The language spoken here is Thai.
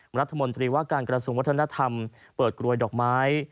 รัฐมนตรีว่าการกระทรวงวัฒนธรรมเปิดกรวยดอกไม้